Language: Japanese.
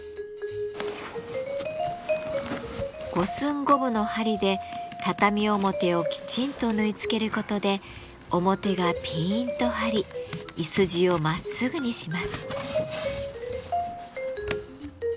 五寸五分の針で畳表をきちんと縫い付けることで表がピンと張りいすじをまっすぐにします。